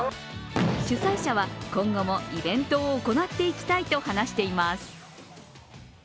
主催者は今後もイベントを行っていきたいと話しています。